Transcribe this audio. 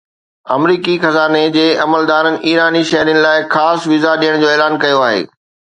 آمريڪي خزاني جي عملدارن ايراني شهرين لاءِ خاص ويزا ڏيڻ جو اعلان ڪيو آهي